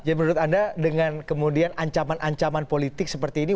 jadi menurut anda dengan kemudian ancaman ancaman politik seperti ini